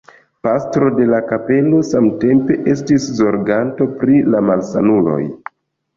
Pastro de la kapelo samtempe estis zorganto pri la malsanuloj.